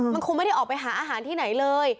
มันคงไม่ได้ออกไปหาอาหารที่ไหนเลย